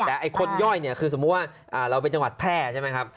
แต่คนย่อยคือสมมุติว่าเราไปจังหวัดแพร่ใช่ไหมครับ